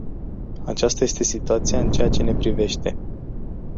Aceasta este situația în ceea ce ne privește.